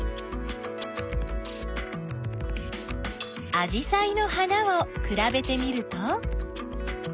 あじさいの花をくらべてみると？